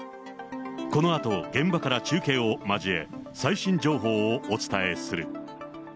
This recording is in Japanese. このあと、現場から中継を交え、最新情報をお伝えする。